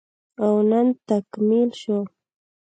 او نن تکميل شو